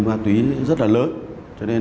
ma túy rất là lớn cho nên